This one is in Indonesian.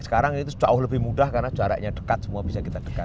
sekarang itu jauh lebih mudah karena jaraknya dekat semua bisa kita dekat